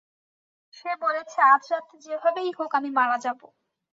সে বলেছে আজ রাতে যেভাবেই হোক আমি মারা যাবো।